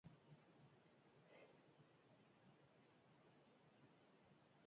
Loreak, irudi abstraktuak, tribalak edota diseinu digitalak gure jantzietan nahastuko dira.